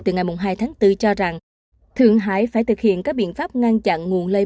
từ ngày hai tháng bốn cho rằng thượng hải phải thực hiện các biện pháp ngăn chặn nguồn lây